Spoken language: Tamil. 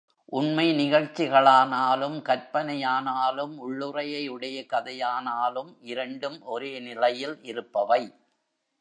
உண்மை நிகழ்ச்சிகளானாலும், கற்பனையானாலும், உள்ளுறையை உடைய கதையானாலும் இரண்டும் ஒரே நிலையில் இருப்பவை.